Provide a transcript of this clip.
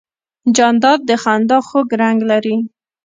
جانداد د خندا خوږ رنګ لري.